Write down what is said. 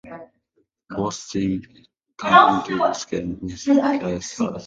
Both teams came into this game missing key starters.